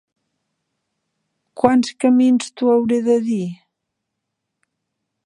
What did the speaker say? Quants camins t'ho hauré de dir?